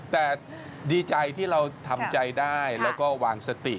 แต่ดีใจที่เราทำใจได้แล้วก็วางสติ